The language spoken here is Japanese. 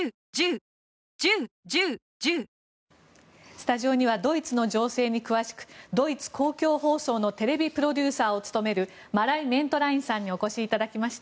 スタジオにはドイツの情勢に詳しくドイツ公共放送のプロデューサーを務めるマライ・メントラインさんにお越しいただきました。